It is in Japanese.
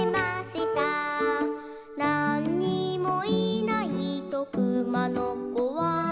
「なんにもいないとくまのこは」